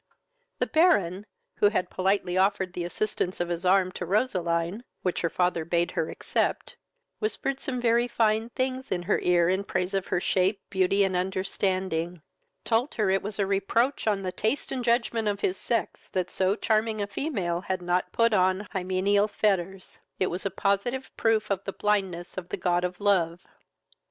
The Baron, who had politely offered the assistance of his arm to Roseline, (which her father bade her accept,) whispered some very fine things in her ear in praise of her shape, beauty, and understanding, told her it was a reproach on the taste and judgment of his sex that so charming a female had not put on hymeneal fetters; it was a positive proof of the blindness of the god of love.